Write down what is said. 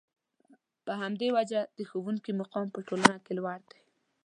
په همدې وجه د ښوونکي مقام په ټولنه کې لوړ دی.